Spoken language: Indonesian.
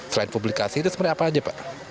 selain publikasi itu sebenarnya apa aja pak